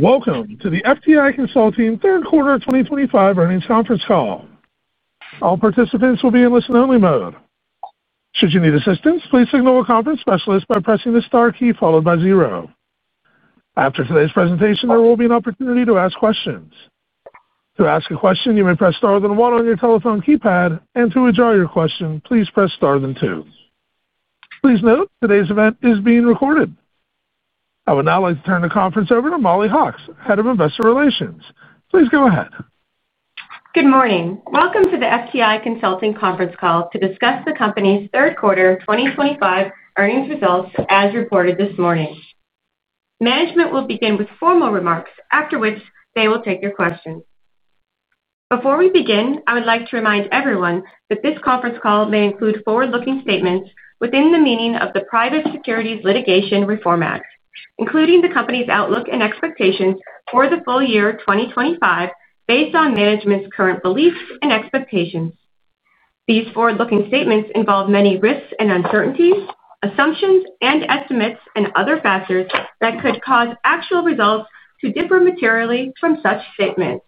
Welcome to the FTI Consulting third quarter 2025 earnings conference call. All participants will be in listen-only mode. Should you need assistance, please signal a conference specialist by pressing the star key followed by zero. After today's presentation, there will be an opportunity to ask questions. To ask a question, you may press star then one on your telephone keypad, and to withdraw your question, please press star then two. Please note today's event is being recorded. I would now like to turn the conference over to Mollie Hawkes, Head of Investor Relations. Please go ahead. Good morning. Welcome to the FTI Consulting conference call to discuss the company's third quarter 2025 earnings results as reported this morning. Management will begin with formal remarks, after which they will take your questions. Before we begin, I would like to remind everyone that this conference call may include forward-looking statements within the meaning of the Private Securities Litigation Reform Act, including the company's outlook and expectations for the full year 2025 based on management's current beliefs and expectations. These forward-looking statements involve many risks and uncertainties, assumptions, estimates, and other factors that could cause actual results to differ materially from such statements.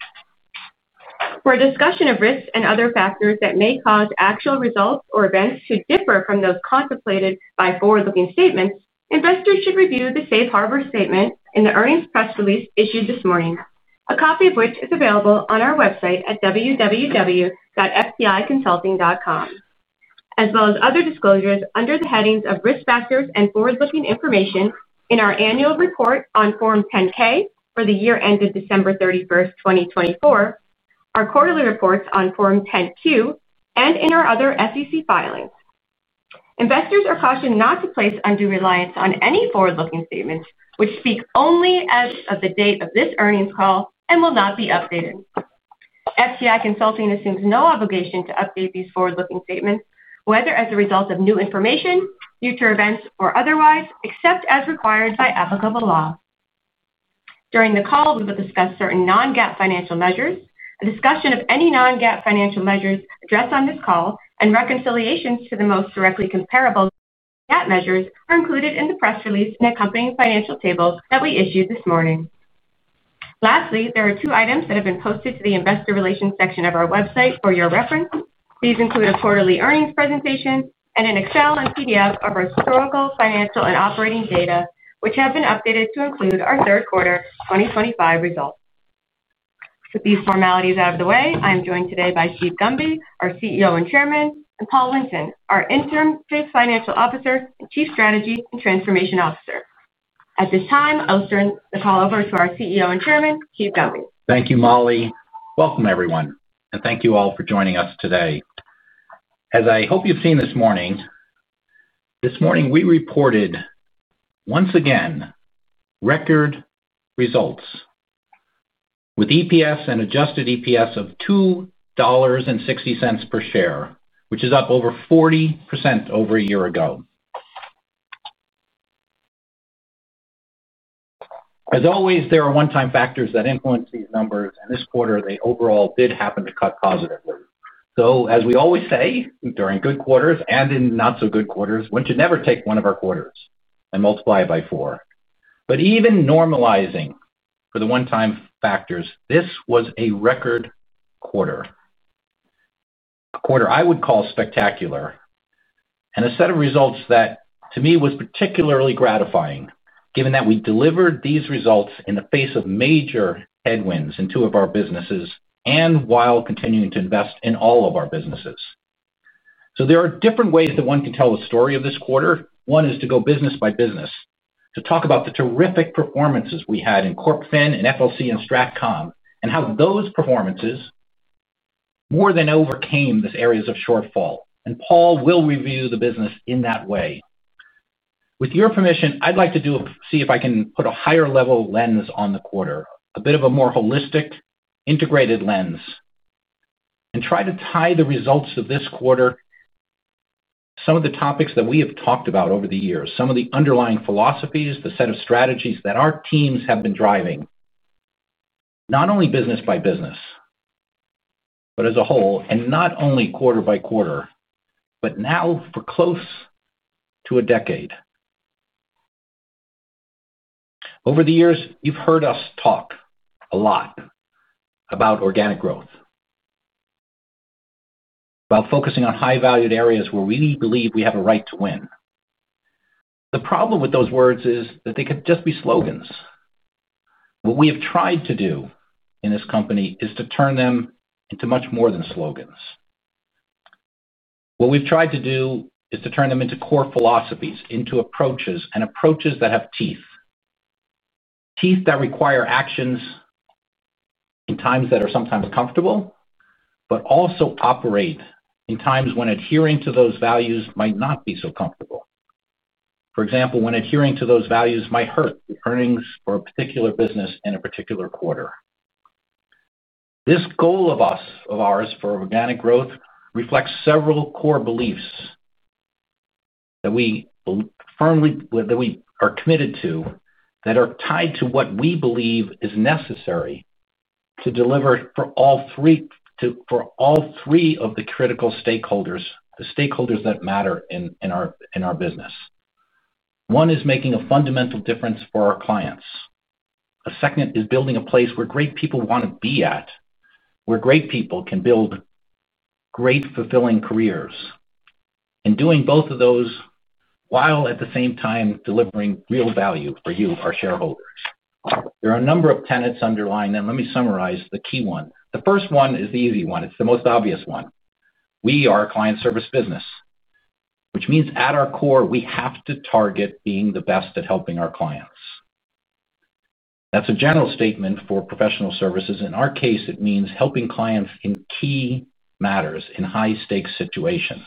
For a discussion of risks and other factors that may cause actual results or events to differ from those contemplated by forward-looking statements, investors should review the Safe Harbor Statement in the earnings press release issued this morning, a copy of which is available on our website at www.fticonsulting.com, as well as other disclosures under the headings of Risk Factors and Forward-Looking Information in our annual report on Form 10-K for the year ended December 31, 2024, our quarterly reports on Form 10-Q, and in our other SEC filings. Investors are cautioned not to place undue reliance on any forward-looking statements, which speak only as of the date of this earnings call and will not be updated. FTI assumes no obligation to update these forward-looking statements, whether as a result of new information, future events, or otherwise, except as required by applicable law. During the call, we will discuss certain non-GAAP financial measures. A discussion of any non-GAAP financial measures addressed on this call and reconciliations to the most directly comparable GAAP measures are included in the press release and accompanying financial tables that we issued this morning. Lastly, there are two items that have been posted to the Investor Relations section of our website for your reference. These include a quarterly earnings presentation and an Excel and PDF of our historical financial and operating data, which have been updated to include our third quarter 2025 results. With these formalities out of the way, I am joined today by Steven Gunby, our CEO and Chairman, and Paul Linton, our Interim Chief Financial Officer and Chief Strategy and Transformation Officer. At this time, I will turn the call over to our CEO and Chairman, Steven H. Gunby. Thank you, Molly. Welcome, everyone, and thank you all for joining us today. As I hope you've seen this morning, this morning we reported once again record results with EPS and adjusted EPS of $2.60 per share, which is up over 40% over a year ago. As always, there are one-time factors that influence these numbers, and this quarter they overall did happen to cut positively. As we always say, during good quarters and in not so good quarters, one should never take one of our quarters and multiply it by four. Even normalizing for the one-time factors, this was a record quarter, a quarter I would call spectacular, and a set of results that, to me, was particularly gratifying given that we delivered these results in the face of major headwinds in two of our businesses and while continuing to invest in all of our businesses. There are different ways that one can tell the story of this quarter. One is to go business by business, to talk about the terrific performances we had in Corp Fin, FLC and Stratcom and how those performances more than overcame these areas of shortfall. Paul will review the business in that way. With your permission, I'd like to see if I can put a higher-level lens on the quarter, a bit of a more holistic, integrated lens, and try to tie the results of this quarter to some of the topics that we have talked about over the years, some of the underlying philosophies, the set of strategies that our teams have been driving, not only business by business, but as a whole, and not only quarter by quarter, but now for close to a decade. Over the years, you've heard us talk a lot about organic growth, about focusing on high-valued areas where we believe we have a right to win. The problem with those words is that they could just be slogans. What we have tried to do in this company is to turn them into much more than slogans. What we've tried to do is to turn them into core philosophies, into approaches, and approaches that have teeth, teeth that require actions in times that are sometimes comfortable, but also operate in times when adhering to those values might not be so comfortable. For example, when adhering to those values might hurt earnings for a particular business in a particular quarter. This goal of ours for organic growth reflects several core beliefs that we are committed to, that are tied to what we believe is necessary to deliver for all three of the critical stakeholders, the stakeholders that matter in our business. One is making a fundamental difference for our clients. A second is building a place where great people want to be at, where great people can build great, fulfilling careers, and doing both of those while at the same time delivering real value for you, our shareholders. There are a number of tenets underlying them. Let me summarize the key one. The first one is the easy one. It's the most obvious one. We are a client-service business, which means at our core, we have to target being the best at helping our clients. That's a general statement for professional services. In our case, it means helping clients in key matters, in high-stakes situations.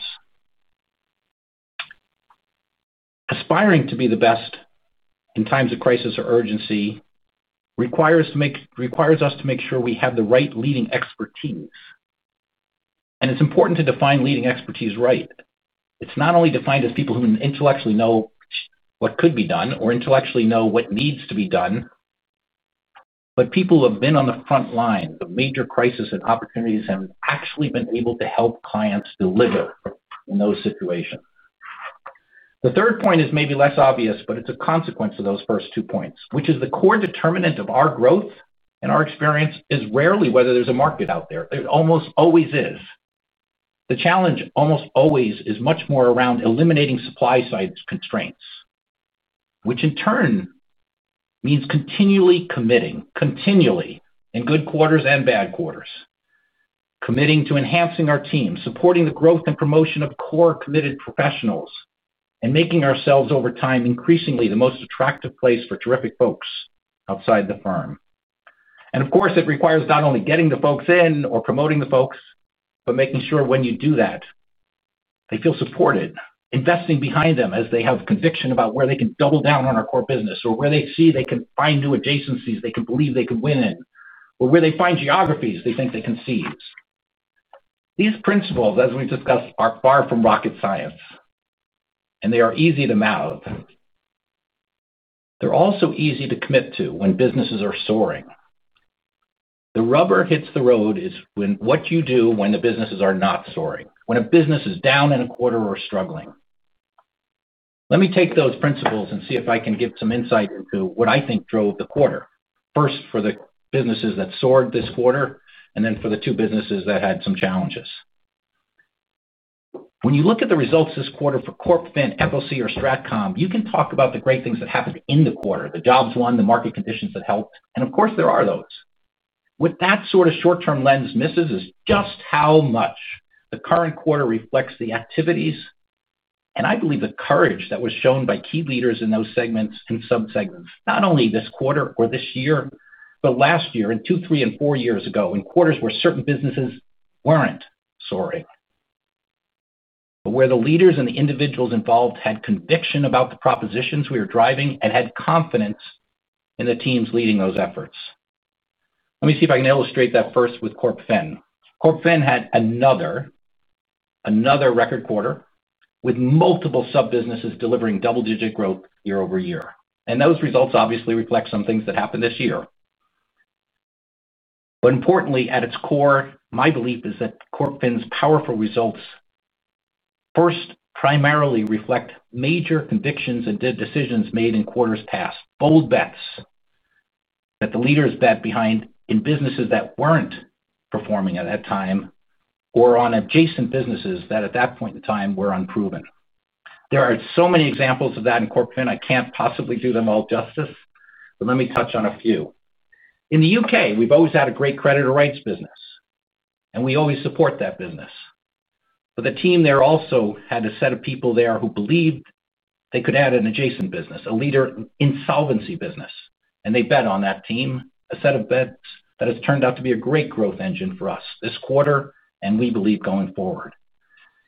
Aspiring to be the best in times of crisis or urgency requires us to make sure we have the right leading expertise. It's important to define leading expertise right. It's not only defined as people who intellectually know what could be done or intellectually know what needs to be done, but people who have been on the front lines of major crises and opportunities and actually been able to help clients deliver in those situations. The third point is maybe less obvious, but it's a consequence of those first two points, which is the core determinant of our growth and our experience is rarely whether there's a market out there. There almost always is. The challenge almost always is much more around eliminating supply-side constraints, which in turn means continually committing, continually, in good quarters and bad quarters, committing to enhancing our team, supporting the growth and promotion of core committed professionals, and making ourselves over time increasingly the most attractive place for terrific folks outside the firm. It requires not only getting the folks in or promoting the folks, but making sure when you do that, they feel supported, investing behind them as they have conviction about where they can double down on our core business or where they see they can find new adjacencies they can believe they could win in or where they find geographies they think they can seize. These principles, as we've discussed, are far from rocket science, and they are easy to mouth. They're also easy to commit to when businesses are soaring. The rubber hits the road is what you do when the businesses are not soaring, when a business is down in a quarter or struggling. Let me take those principles and see if I can give some insight into what I think drove the quarter, first for the businesses that soared this quarter and then for the two businesses that had some challenges. When you look at the results this quarter for Corp Fin, FLC, or Stratcom, you can talk about the great things that happened in the quarter, the jobs won, the market conditions that helped. Of course, there are those. What that sort of short-term lens misses is just how much the current quarter reflects the activities and, I believe, the courage that was shown by key leaders in those segments and sub-segments, not only this quarter or this year, but last year and two, three, and four years ago in quarters where certain businesses were not soaring, but where the leaders and the individuals involved had conviction about the propositions we were driving and had confidence in the teams leading those efforts. Let me see if I can illustrate that first with Corp Fin. Corp Fin had another record quarter with multiple sub-businesses delivering double-digit organic revenue growth year-over-year. Those results obviously reflect some things that happened this year. Importantly, at its core, my belief is that Corp Fin's powerful results first primarily reflect major convictions and decisions made in quarters past, bold bets that the leaders bet behind in businesses that were not performing at that time or on adjacencies that at that point in time were unproven. There are so many examples of that in Corp Fin. I cannot possibly do them all justice, but let me touch on a few. In the U.K., we have always had a great creditor rights business, and we always support that business. The team there also had a set of people who believed they could add an adjacent business, a leader insolvency business, and they bet on that team, a set of bets that has turned out to be a great growth engine for us this quarter and we believe going forward.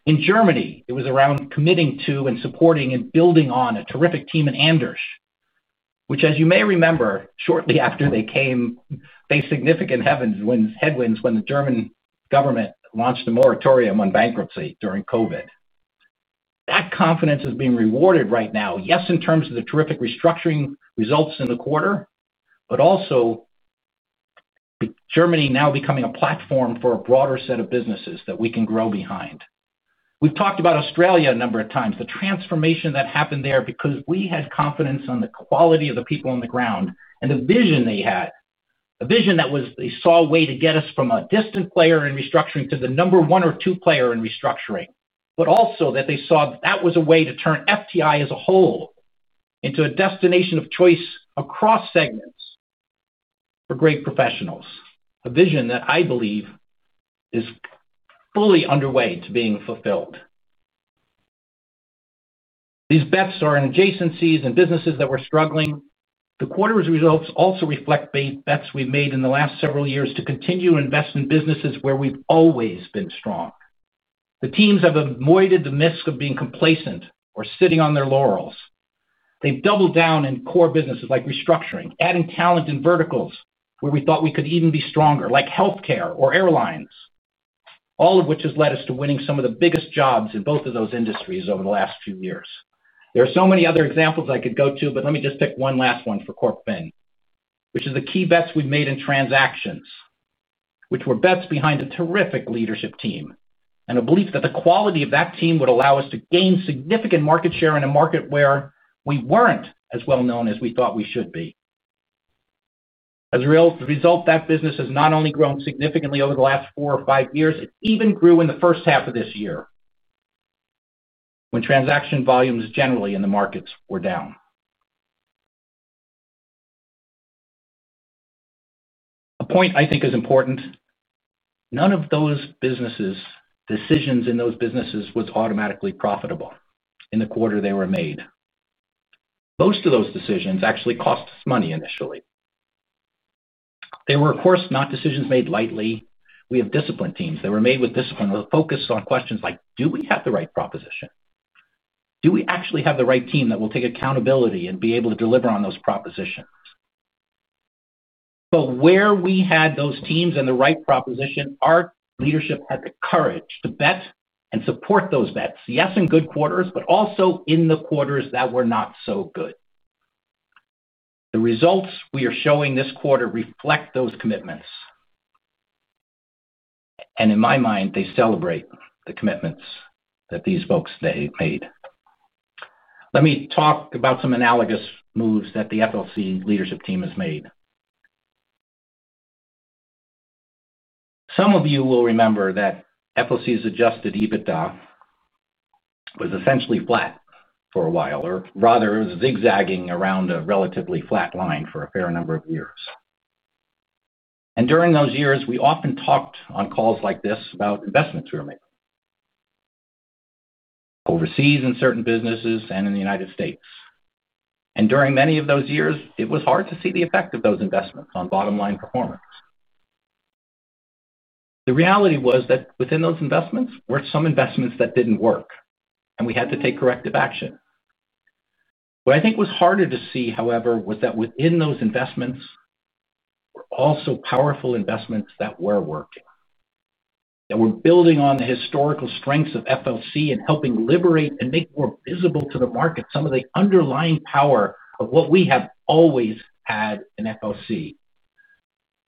In Germany, it was around committing to and supporting and building on a terrific team in Anders, which, as you may remember, shortly after they came, faced significant headwinds when the German government launched a moratorium on bankruptcy during COVID. That confidence is being rewarded right now, yes, in terms of the terrific restructuring results in the quarter, but also Germany now becoming a platform for a broader set of businesses that we can grow behind. We've talked about Australia a number of times, the transformation that happened there because we had confidence in the quality of the people on the ground and the vision they had, a vision that they saw a way to get us from a distant player in restructuring to the number one or two player in restructuring, but also that they saw that was a way to turn FTI Consulting as a whole into a destination of choice across segments for great professionals, a vision that I believe is fully underway to being fulfilled. These bets are in adjacencies and businesses that were struggling. The quarter's results also reflect the bets we've made in the last several years to continue to invest in businesses where we've always been strong. The teams have avoided the risk of being complacent or sitting on their laurels. They've doubled down in core businesses like restructuring, adding talent in verticals where we thought we could even be stronger, like healthcare or airlines, all of which has led us to winning some of the biggest jobs in both of those industries over the last few years. There are so many other examples I could go to, but let me just pick one last one for Corp Fin, which is the key bets we've made in transactions, which were bets behind a terrific leadership team and a belief that the quality of that team would allow us to gain significant market share in a market where we weren't as well known as we thought we should be. As a result, that business has not only grown significantly over the last four or five years, it even grew in the first half of this year when transaction volumes generally in the markets were down. A point I think is important, none of those businesses, decisions in those businesses were automatically profitable in the quarter they were made. Most of those decisions actually cost us money initially. They were, of course, not decisions made lightly. We have disciplined teams. They were made with discipline with a focus on questions like, do we have the right proposition? Do we actually have the right team that will take accountability and be able to deliver on those propositions? Where we had those teams and the right proposition, our leadership had the courage to bet and support those bets, yes, in good quarters, but also in the quarters that were not so good. The results we are showing this quarter reflect those commitments. In my mind, they celebrate the commitments that these folks made. Let me talk about some analogous moves that the FLC leadership team has made. Some of you will remember that FLC's adjusted EBITDA was essentially flat for a while, or rather zigzagging around a relatively flat line for a fair number of years. During those years, we often talked on calls like this about investments we were making, overseas in certain businesses and in the United States. During many of those years, it was hard to see the effect of those investments on bottom-line performance. The reality was that within those investments were some investments that didn't work, and we had to take corrective action. What I think was harder to see, however, was that within those investments were also powerful investments that were working, that were building on the historical strengths of FLC and helping liberate and make more visible to the market some of the underlying power of what we have always had in FLC.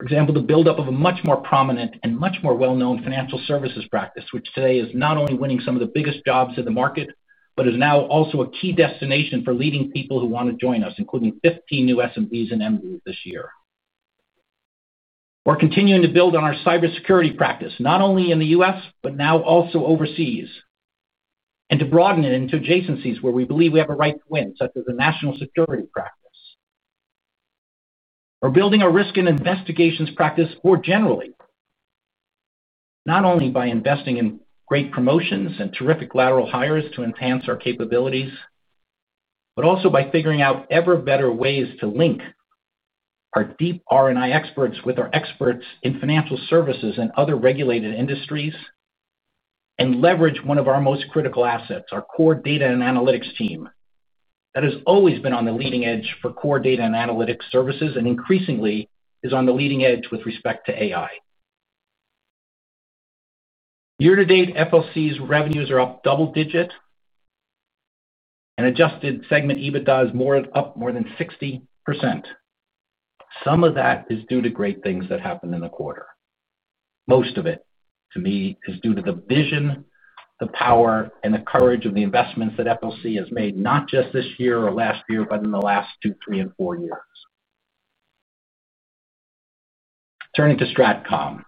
For example, the buildup of a much more prominent and much more well-known financial services practice, which today is not only winning some of the biggest jobs in the market but is now also a key destination for leading people who want to join us, including 15 new SMBs and MBs this year. We're continuing to build on our cybersecurity practice, not only in the U.S. but now also overseas, and to broaden it into adjacencies where we believe we have a right to win, such as a national security practice. We're building our risk and investigations practice more generally, not only by investing in great promotions and terrific lateral hires to enhance our capabilities, but also by figuring out ever-better ways to link our deep R&I experts with our experts in financial services and other regulated industries and leverage one of our most critical assets, our core data and analytics team that has always been on the leading edge for core data and analytics services and increasingly is on the leading edge with respect to AI. Year-to-date, FLC's revenues are up double-digit, and adjusted segment EBITDA is up more than 60%. Some of that is due to great things that happened in the quarter. Most of it, to me, is due to the vision, the power, and the courage of the investments that FLC has made, not just this year or last year, but in the last two, three, and four years. Turning to Stratcom,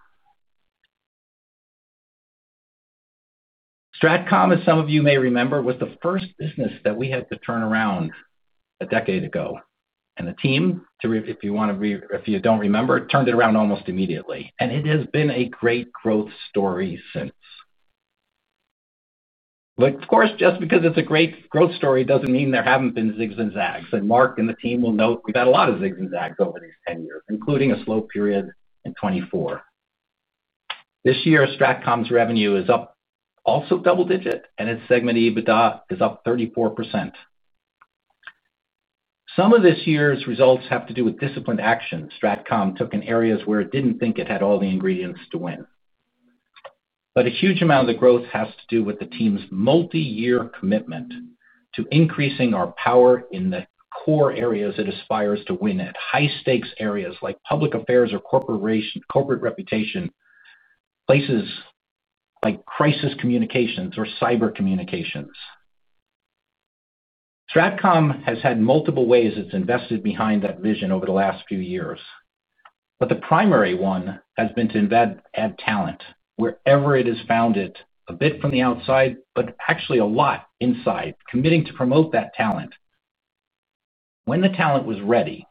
Stratcom, as some of you may remember, was the first business that we had to turn around a decade ago. The team, if you want to, if you don't remember, turned it around almost immediately. It has been a great growth story since. Of course, just because it's a great growth story doesn't mean there haven't been zigs and zags. Mark and the team will note we've had a lot of zigs and zags over these 10 years, including a slow period in 2024. This year, Stratcom's revenue is up also double-digit, and its segment EBITDA is up 34%. Some of this year's results have to do with disciplined actions. Stratcom took action in areas where it didn't think it had all the ingredients to win. A huge amount of the growth has to do with the team's multi-year commitment to increasing our power in the core areas it aspires to win at, high-stakes areas like public affairs or corporate reputation, places like crisis communications or cyber communications. Stratcom has had multiple ways it's invested behind that vision over the last few years. The primary one has been to invest and add talent wherever it is found, a bit from the outside, but actually a lot inside, committing to promote that talent. When the talent was ready,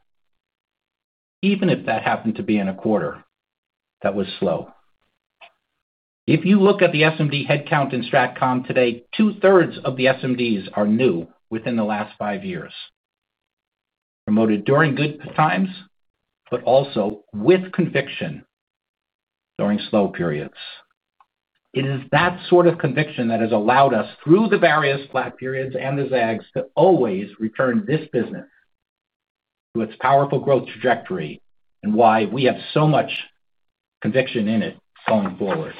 even if that happened to be in a quarter that was slow. If you look at the SMB headcount in Stratcom today, two-thirds of the SMBs are new within the last five years, promoted during good times but also with conviction during slow periods. It is that sort of conviction that has allowed us, through the various flat periods and the zags, to always return this business to its powerful growth trajectory and why we have so much conviction in it going forward.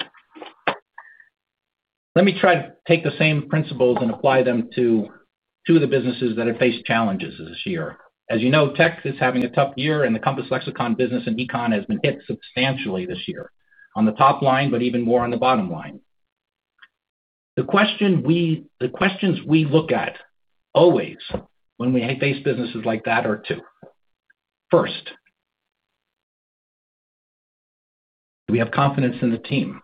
Let me try to take the same principles and apply them to two of the businesses that have faced challenges this year. As you know, Technology is having a tough year, and the Compass Lexecon business in econ has been hit substantially this year, on the top line but even more on the bottom line. The questions we look at always when we face businesses like that are two. First, do we have confidence in the team?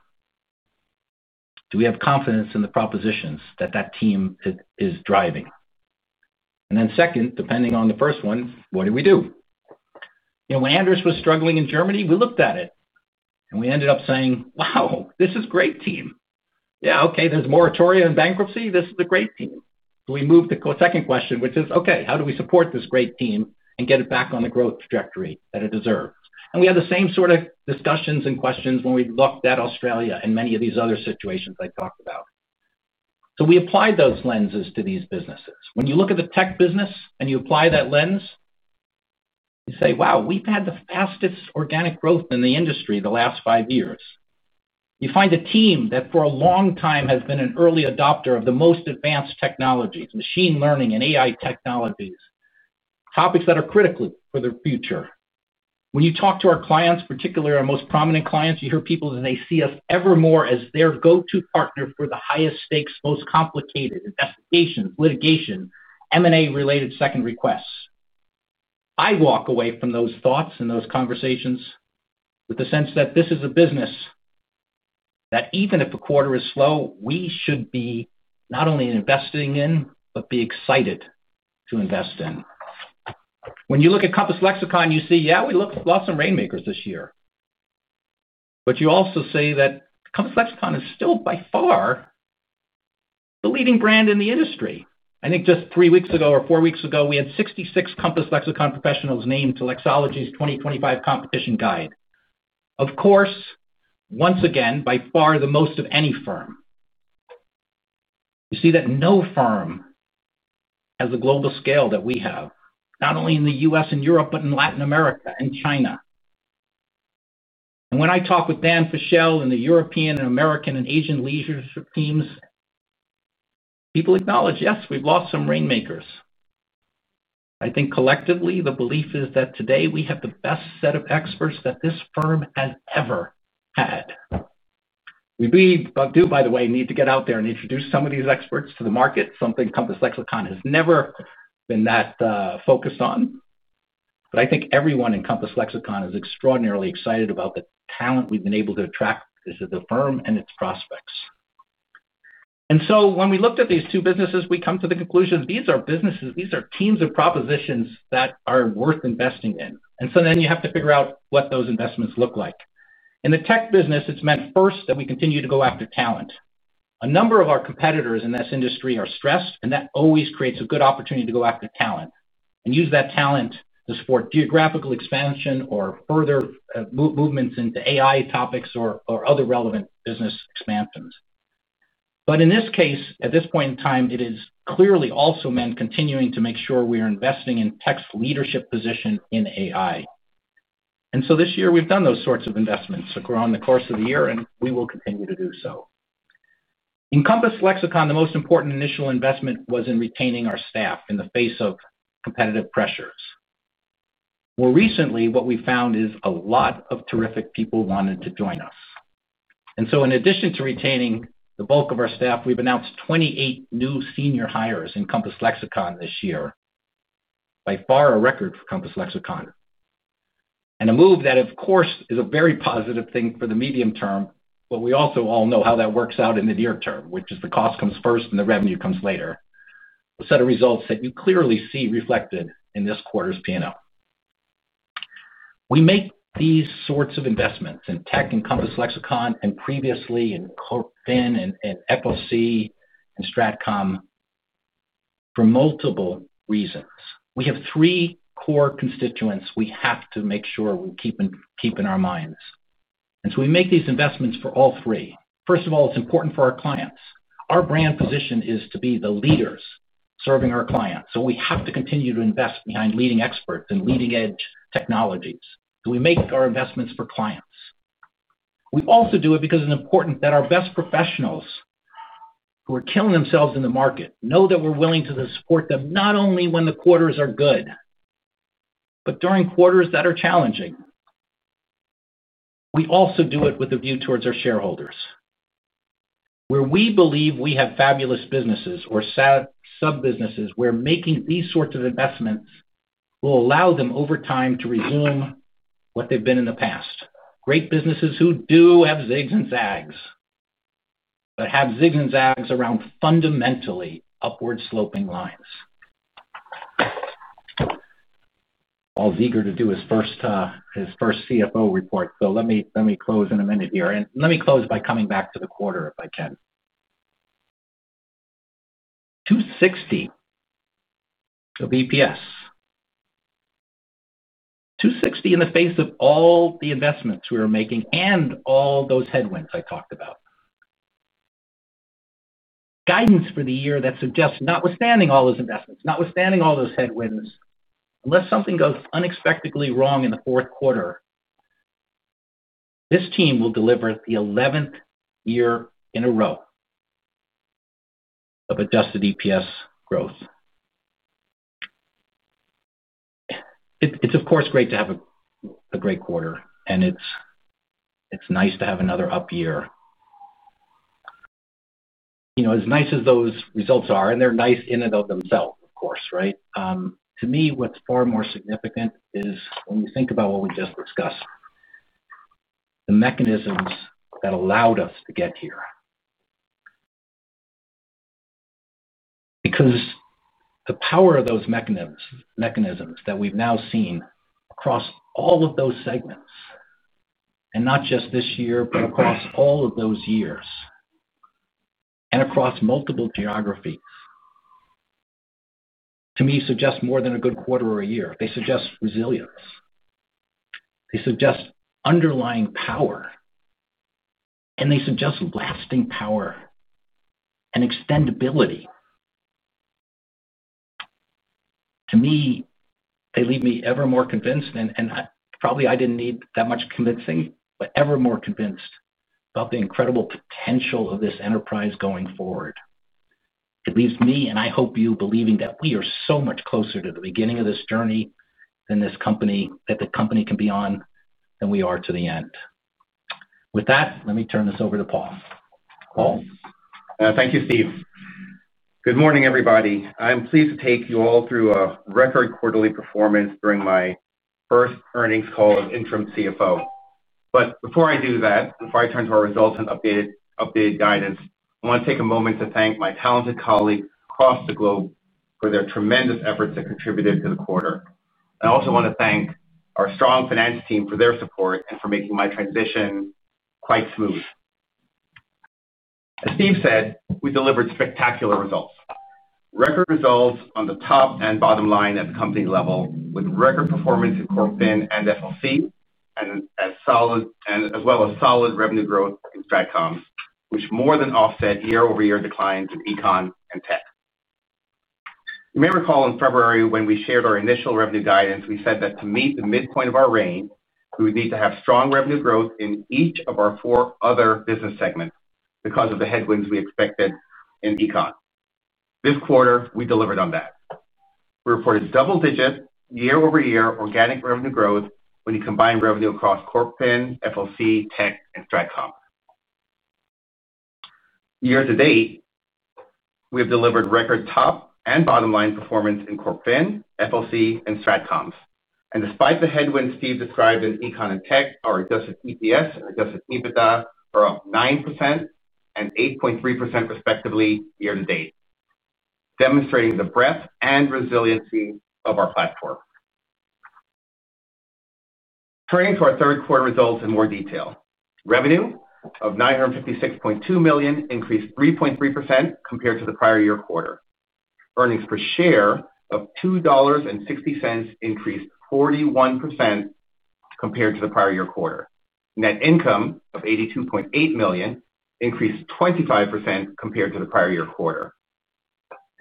Do we have confidence in the propositions that that team is driving? Then, depending on the first one, what do we do? You know, when Anders was struggling in Germany, we looked at it, and we ended up saying, "Wow, this is a great team. Yeah, okay, there's a moratorium and bankruptcy." This is a great team. We moved to the second question, which is, "Okay, how do we support this great team and get it back on the growth trajectory that it deserves?" We had the same sort of discussions and questions when we looked at Australia and many of these other situations I talked about. We applied those lenses to these businesses. When you look at the tech business and you apply that lens, you say, "Wow, we've had the fastest organic growth in the industry the last five years." You find a team that for a long time has been an early adopter of the most advanced technologies, machine learning and AI technologies, topics that are critical for the future. When you talk to our clients, particularly our most prominent clients, you hear people that they see us ever more as their go-to partner for the highest stakes, most complicated investigations, litigation, M&A-related second requests. I walk away from those thoughts and those conversations with the sense that this is a business that even if a quarter is slow, we should be not only investing in but be excited to invest in. When you look at Compass Lexecon, you see, "Yeah, we lost some rainmakers this year." You also say that Compass Lexecon is still by far the leading brand in the industry. I think just three weeks ago or four weeks ago, we had 66 Compass Lexecon professionals named to Lexology's 2025 Competition Guide. Of course, once again, by far the most of any firm. You see that no firm has the global scale that we have, not only in the U.S. and Europe but in Latin America and China. When I talk with Dan Fischell and the European and American and Asian leadership teams, people acknowledge, "Yes, we've lost some rainmakers." I think collectively, the belief is that today we have the best set of experts that this firm has ever had. We do, by the way, need to get out there and introduce some of these experts to the market, something Compass Lexecon has never been that focused on. I think everyone in Compass Lexecon is extraordinarily excited about the talent we've been able to attract to the firm and its prospects. When we looked at these two businesses, we come to the conclusion these are businesses, these are teams of propositions that are worth investing in. You have to figure out what those investments look like. In the tech business, it's meant first that we continue to go after talent. A number of our competitors in this industry are stressed, and that always creates a good opportunity to go after talent and use that talent to support geographical expansion or further movements into AI topics or other relevant business expansions. In this case, at this point in time, it is clearly also meant continuing to make sure we are investing in tech's leadership position in AI. This year, we've done those sorts of investments throughout the course of the year, and we will continue to do so. In Compass Lexecon, the most important initial investment was in retaining our staff in the face of competitive pressures. More recently, what we found is a lot of terrific people wanted to join us. In addition to retaining the bulk of our staff, we've announced 28 new senior hires in Compass Lexecon this year, by far a record for Compass Lexecon. A move that, of course, is a very positive thing for the medium term, we also all know how that works out in the near term, which is the cost comes first and the revenue comes later, a set of results that you clearly see reflected in this quarter's P&L. We make these sorts of investments in tech in Compass Lexecon and previously in Corp Fin and FLC and Stratcom for multiple reasons. We have three core constituents we have to make sure we keep in our minds. We make these investments for all three. First of all, it's important for our clients. Our brand position is to be the leaders serving our clients. We have to continue to invest behind leading experts and leading-edge technologies. We make our investments for clients. We also do it because it's important that our best professionals who are killing themselves in the market know that we're willing to support them not only when the quarters are good but during quarters that are challenging. We also do it with a view towards our shareholders. Where we believe we have fabulous businesses or sub-businesses where making these sorts of investments will allow them over time to resume what they've been in the past, great businesses who do have zigs and zags but have zigs and zags around fundamentally upward-sloping lines. Paul's eager to do his first CFO report, so let me close in a minute here. Let me close by coming back to the quarter if I can. $2.60 of EPS, $2.60 in the face of all the investments we were making and all those headwinds I talked about. Guidance for the year that suggests, notwithstanding all those investments, notwithstanding all those headwinds, unless something goes unexpectedly wrong in the fourth quarter, this team will deliver the 11th year in a row of adjusted EPS growth. It's, of course, great to have a great quarter, and it's nice to have another up year. As nice as those results are, and they're nice in and of themselves, of course, right? To me, what's far more significant is when you think about what we just discussed, the mechanisms that allowed us to get here. The power of those mechanisms that we've now seen across all of those segments, and not just this year, but across all of those years and across multiple geographies, to me, suggests more than a good quarter or a year. They suggest resilience. They suggest underlying power, and they suggest lasting power and extendability. To me, they leave me ever more convinced, and probably I didn't need that much convincing, but ever more convinced about the incredible potential of this enterprise going forward. It leaves me, and I hope you, believing that we are so much closer to the beginning of this journey than this company, that the company can be on than we are to the end. With that, let me turn this over to Paul. Paul? Thank you, Steve. Good morning, everybody. I'm pleased to take you all through a record quarterly performance during my first earnings call as Interim CFO. Before I do that, before I turn to our results and updated guidance, I want to take a moment to thank my talented colleagues across the globe for their tremendous efforts that contributed to the quarter. I also want to thank our strong finance team for their support and for making my transition quite smooth. As Steve said, we delivered spectacular results, record results on the top and bottom line at the company level with record performance in Corp Fin and FLC, as well as solid revenue growth in Strategic Communications, which more than offset year-over-year declines in econ and tech. You may recall in February when we shared our initial revenue guidance, we said that to meet the midpoint of our range, we would need to have strong revenue growth in each of our four other business segments because of the headwinds we expected in econ. This quarter, we delivered on that. We reported double-digit year-over-year organic revenue growth when you combine revenue across Corp Fin, FLC, Tech, and Stratcom. Year to date, we have delivered record top and bottom line performance in CorpFin, FLC, and Stratcom. Despite the headwinds Steve described in econ and tech, our adjusted EPS and adjusted EBITDA are up 9% and 8.3% respectively year to date, demonstrating the breadth and resiliency of our platform. Turning to our third quarter results in more detail, revenue of $956.2 million increased 3.3% compared to the prior year quarter. Earnings per share of $2.60 increased 41% compared to the prior year quarter. Net income of $82.8 million increased 25% compared to the prior year quarter.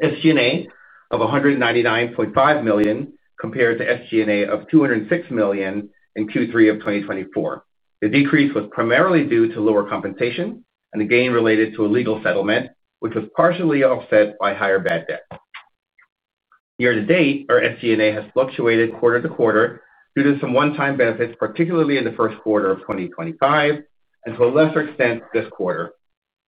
SG&A of $199.5 million compared to SG&A of $206 million in Q3 of 2024. The decrease was primarily due to lower compensation and the gain related to a legal settlement, which was partially offset by higher bad debt. Year to date, our SG&A has fluctuated quarter to quarter due to some one-time benefits, particularly in the first quarter of 2025 and to a lesser extent this quarter.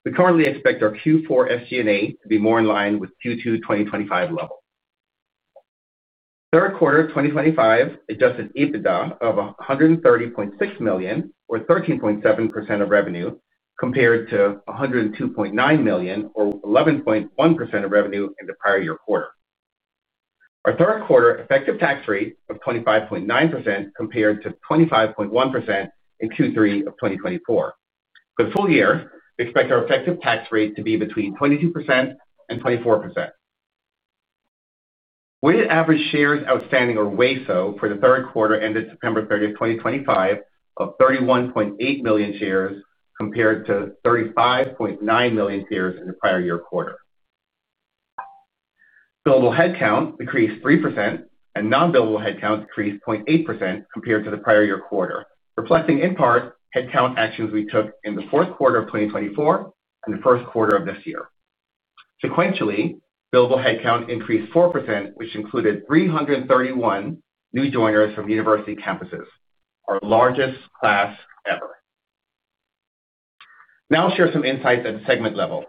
We currently expect our Q4 SG&A to be more in line with Q2 2025 level. Third quarter 2025, adjusted EBITDA of $130.6 million or 13.7% of revenue compared to $102.9 million or 11.1% of revenue in the prior year quarter. Our third quarter effective tax rate of 25.9% compared to 25.1% in Q3 of 2024. For the full year, we expect our effective tax rate to be between 22% and 24%. Weighted average shares outstanding or WACO for the third quarter ended September 30, 2025, of 31.8 million shares compared to 35.9 million shares in the prior year quarter. Billable headcount decreased 3%, and non-billable headcount decreased 0.8% compared to the prior year quarter, reflecting in part headcount actions we took in the fourth quarter of 2024 and the first quarter of this year. Sequentially, billable headcount increased 4%, which included 331 new joiners from university campuses, our largest class ever. Now I'll share some insights at the segment level.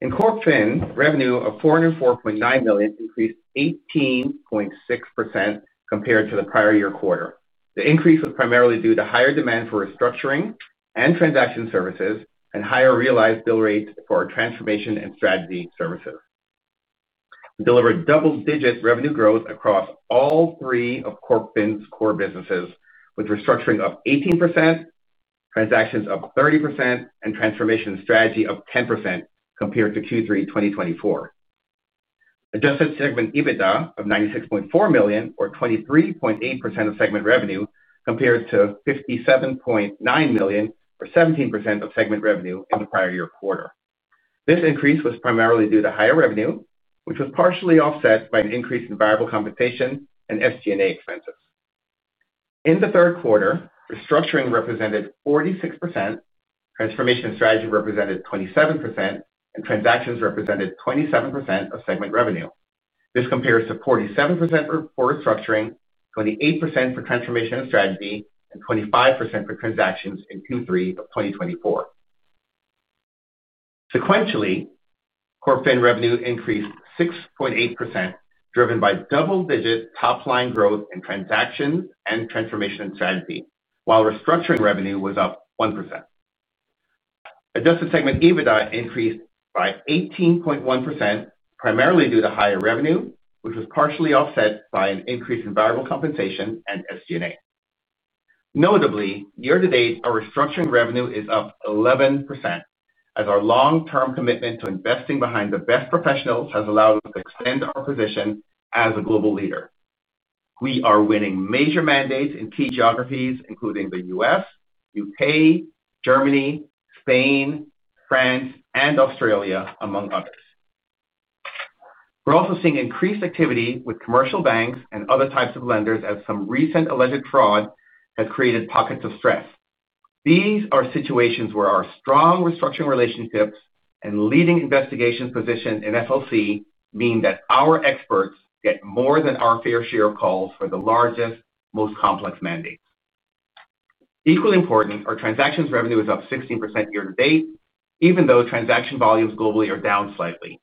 In Corp Fin, revenue of $404.9 million increased 18.6% compared to the prior year quarter. The increase was primarily due to higher demand for restructuring and transaction services and higher realized bill rates for our transformation and strategy services. We delivered double-digit revenue growth across all three of CorpFin's core businesses, with restructuring up 18%, transactions up 30%, and transformation strategy up 10% compared to Q3 2024. Adjusted segment EBITDA of $96.4 million or 23.8% of segment revenue compared to $57.9 million or 17% of segment revenue in the prior year quarter. This increase was primarily due to higher revenue, which was partially offset by an increase in variable compensation and SG&A expenses. In the third quarter, restructuring represented 46%, transformation strategy represented 27%, and transactions represented 27% of segment revenue. This compares to 47% for restructuring, 28% for transformation and strategy, and 25% for transactions in Q3 of 2024. Sequentially, Corp Fin revenue increased 6.8%, driven by double-digit top-line growth in transactions and transformation and strategy, while restructuring revenue was up 1%. Adjusted segment EBITDA increased by 18.1%, primarily due to higher revenue, which was partially offset by an increase in variable compensation and SG&A. Notably, year to date, our restructuring revenue is up 11%, as our long-term commitment to investing behind the best professionals has allowed us to extend our position as a global leader. We are winning major mandates in key geographies, including the U.S., U.K., Germany, Spain, France, and Australia, among others. We're also seeing increased activity with commercial banks and other types of lenders as some recent alleged fraud has created pockets of stress. These are situations where our strong restructuring relationships and leading investigations position in FLC mean that our experts get more than our fair share of calls for the largest, most complex mandates. Equally important, our transactions revenue is up 16% year to date, even though transaction volumes globally are down slightly.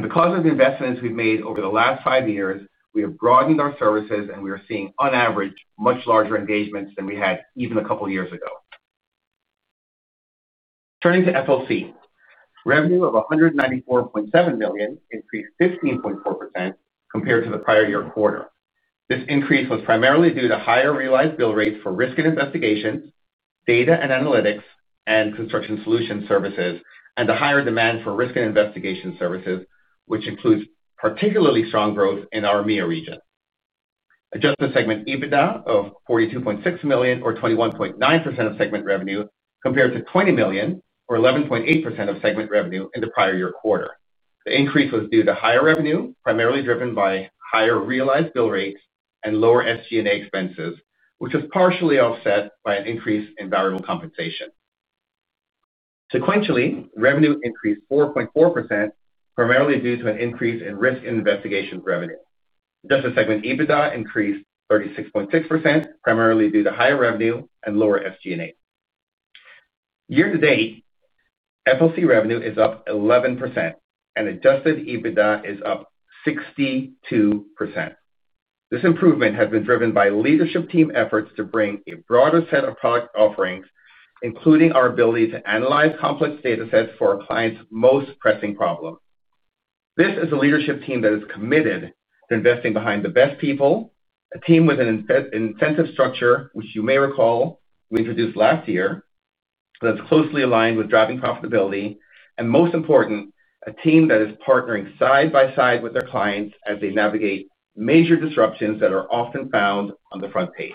Because of the investments we've made over the last five years, we have broadened our services, and we are seeing, on average, much larger engagements than we had even a couple of years ago. Turning to FLC, revenue of $194.7 million increased 15.4% compared to the prior year quarter. This increase was primarily due to higher realized bill rates for risk and investigations, data analytics, and construction solutions services, and the higher demand for risk and investigation services, which includes particularly strong growth in our EMEA region. Adjusted segment EBITDA of $42.6 million or 21.9% of segment revenue compared to $20 million or 11.8% of segment revenue in the prior year quarter. The increase was due to higher revenue, primarily driven by higher realized bill rates and lower SG&A expenses, which was partially offset by an increase in variable compensation. Sequentially, revenue increased 4.4%, primarily due to an increase in risk and investigation revenue. Adjusted segment EBITDA increased 36.6%, primarily due to higher revenue and lower SG&A. Year to date, FLC revenue is up 11%, and adjusted EBITDA is up 62%. This improvement has been driven by leadership team efforts to bring a broader set of product offerings, including our ability to analyze complex data sets for our clients' most pressing problems. This is a leadership team that is committed to investing behind the best people, a team with an incentive structure, which you may recall we introduced last year, that's closely aligned with driving profitability, and most important, a team that is partnering side by side with their clients as they navigate major disruptions that are often found on the front page.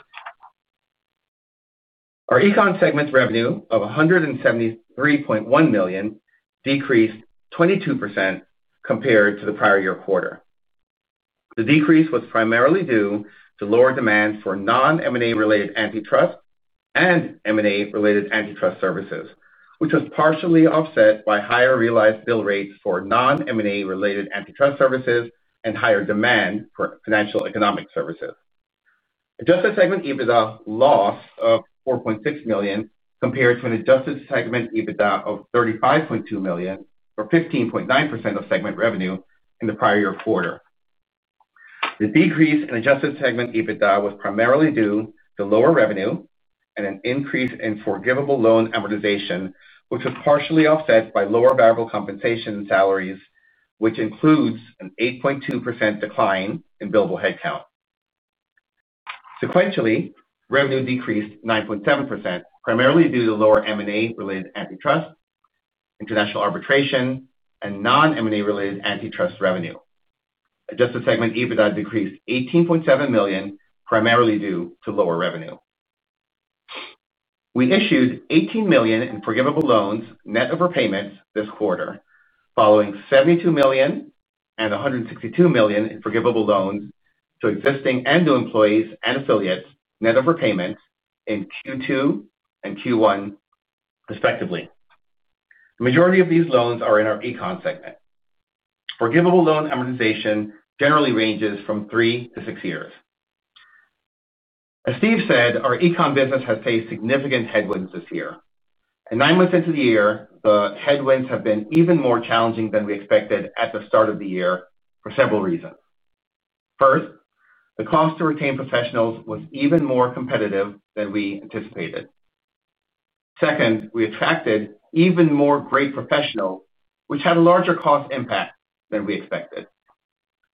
Our econ segment's revenue of $173.1 million decreased 22% compared to the prior year quarter. The decrease was primarily due to lower demand for non-M&A-related antitrust and M&A-related antitrust services, which was partially offset by higher realized bill rates for non-M&A-related antitrust services and higher demand for financial economic services. Adjusted segment EBITDA lost $4.6 million compared to an adjusted segment EBITDA of $35.2 million or 15.9% of segment revenue in the prior year quarter. The decrease in adjusted segment EBITDA was primarily due to lower revenue and an increase in forgivable loan amortization, which was partially offset by lower variable compensation salaries, which includes an 8.2% decline in billable headcount. Sequentially, revenue decreased 9.7%, primarily due to lower M&A-related antitrust, international arbitration, and non-M&A-related antitrust revenue. Adjusted segment EBITDA decreased $18.7 million, primarily due to lower revenue. We issued $18 million in forgivable loans net over payments this quarter, following $72 million and $162 million in forgivable loans to existing and new employees and affiliates net over payments in Q2 and Q1, respectively. The majority of these loans are in our econ segment. Forgivable loan amortization generally ranges from three to six years. As Steve said, our econ business has faced significant headwinds this year. Nine months into the year, the headwinds have been even more challenging than we expected at the start of the year for several reasons. First, the cost to retain professionals was even more competitive than we anticipated. Second, we attracted even more great professionals, which had a larger cost impact than we expected.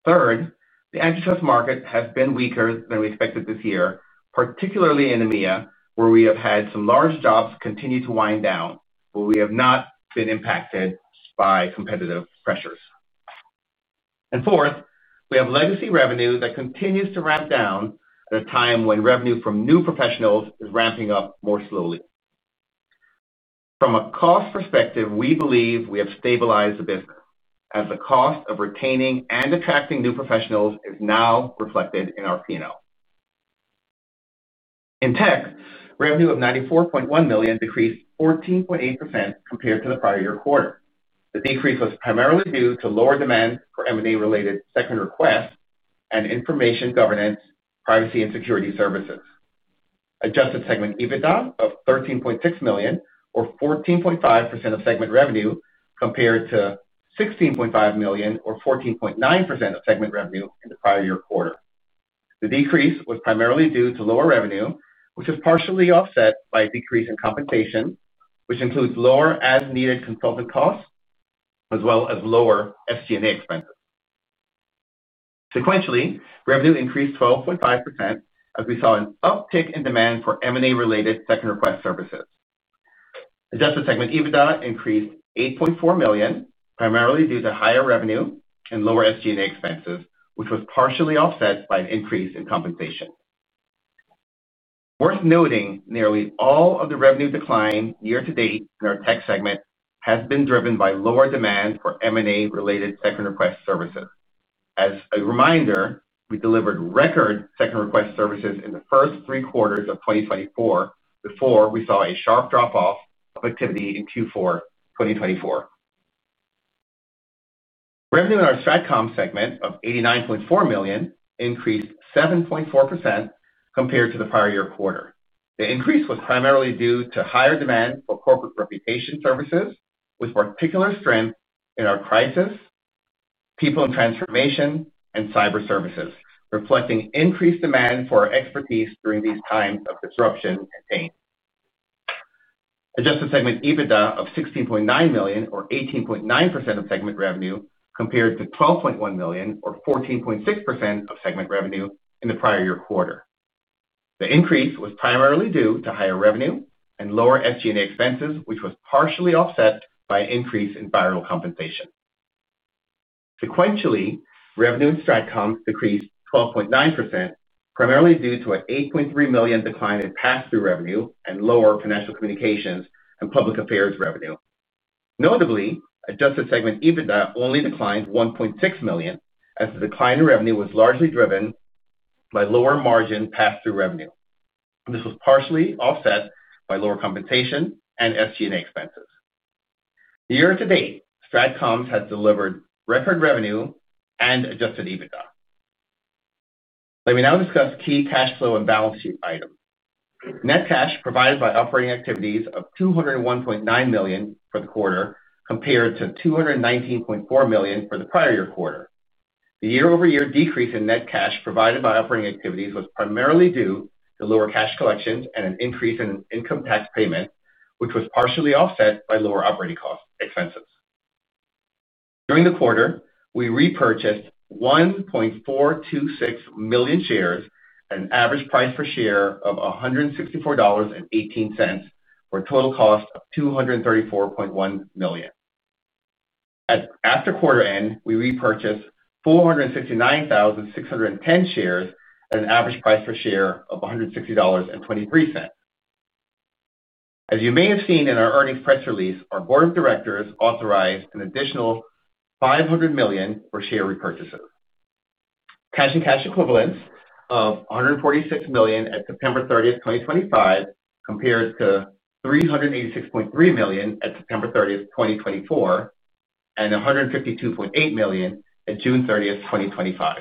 Third, the antitrust market has been weaker than we expected this year, particularly in EMEA, where we have had some large jobs continue to wind down, but we have not been impacted by competitive pressures. Fourth, we have legacy revenue that continues to ramp down at a time when revenue from new professionals is ramping up more slowly. From a cost perspective, we believe we have stabilized the business, as the cost of retaining and attracting new professionals is now reflected in our P&L. In Tech, revenue of $94.1 million decreased 14.8% compared to the prior year quarter. The decrease was primarily due to lower demand for M&A-related second requests and information governance, privacy, and security services. Adjusted segment EBITDA of $13.6 million, or 14.5% of segment revenue, compared to $16.5 million, or 14.9% of segment revenue in the prior year quarter. The decrease was primarily due to lower revenue, which was partially offset by a decrease in compensation, which includes lower as-needed consultant costs, as well as lower SG&A expenses. Sequentially, revenue increased 12.5%, as we saw an uptick in demand for M&A-related second request services. Adjusted segment EBITDA increased $8.4 million, primarily due to higher revenue and lower SG&A expenses, which was partially offset by an increase in compensation. It is worth noting, nearly all of the revenue decline year to date in our Tech segment has been driven by lower demand for M&A-related second request services. As a reminder, we delivered record second request services in the first three quarters of 2024 before we saw a sharp drop-off of activity in Q4 2024. Revenue in our Stratcom segment of $89.4 million increased 7.4% compared to the prior year quarter. The increase was primarily due to higher demand for corporate reputation services, with particular strength in our crisis, people in transformation, and cyber services, reflecting increased demand for our expertise during these times of disruption and pain. Adjusted segment EBITDA of $16.9 million, or 18.9% of segment revenue, compared to $12.1 million, or 14.6% of segment revenue in the prior year quarter. The increase was primarily due to higher revenue and lower SG&A expenses, which was partially offset by an increase in variable compensation. Sequentially, revenue in Stratcom decreased 12.9%, primarily due to an $8.3 million decline in pass-through revenue and lower financial communications and public affairs revenue. Notably, adjusted segment EBITDA only declined $1.6 million, as the decline in revenue was largely driven by lower margin pass-through revenue. This was partially offset by lower compensation and SG&A expenses. Year to date, Stratcom has delivered record revenue and adjusted EBITDA. Let me now discuss key cash flow and balance sheet items. Net cash provided by operating activities of $201.9 million for the quarter compared to $219.4 million for the prior year quarter. The year-over-year decrease in net cash provided by operating activities was primarily due to lower cash collections and an increase in income tax payments, which was partially offset by lower operating cost expenses. During the quarter, we repurchased 1.426 million shares at an average price per share of $164.18 for a total cost of $234.1 million. After quarter end, we repurchased 469,610 shares at an average price per share of $160.23. As you may have seen in our earnings press release, our board of directors authorized an additional $500 million for share repurchases. Cash and cash equivalents of $146 million at September 30, 2025, compared to $386.3 million at September 30, 2024, and $152.8 million at June 30th, 2025.